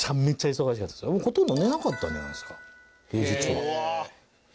ほとんど寝なかったんじゃないですか平日は。